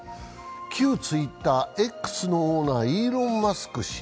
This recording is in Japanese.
旧Ｔｗｉｔｔｅｒ＝Ｘのオーナー、イーロン・マスク氏。